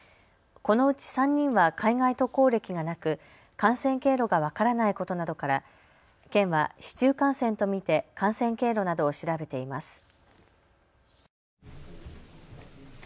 このうち３人は海外渡航歴がなく感染経路が分からないことなどから県は市中感染と見て感染経路などを調べています。